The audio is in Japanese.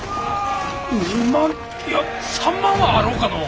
２万いや３万はあろうかのう。